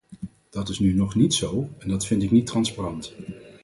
Dat is nu nog niet zo en dat vind ik niet transparant.